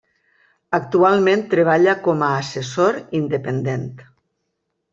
Actualment treballa com a assessor independent.